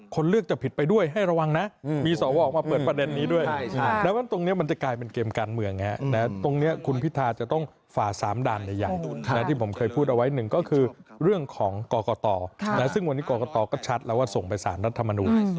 คนเลือกจะผิดไปด้วยให้ระวังนะมีส่วนว่าออกมาเปิดประเด็นนี้ด้วย